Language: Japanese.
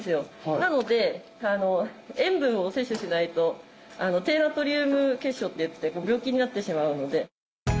なので塩分を摂取しないと低ナトリウム血症ってやつで病気になってしまうので。